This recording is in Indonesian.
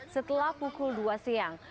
setelah pukul dua siang